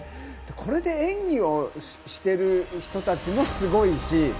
これで演技をしている人たちもすごいし。